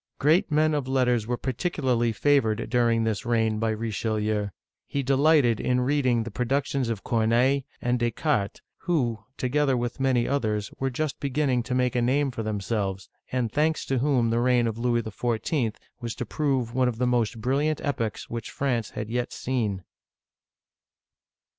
Great men of letters were particularly favored during this reign by Richelieu. He delighted in reading the pro ductions of Corneille (c6r na'y') and Descartes (da cart'), who, together with many others, were just beginning to make a name for themselves, and thanks to whom the reign of Louis XIV. was to prove one of the most brilliant epochs which France had yet seen.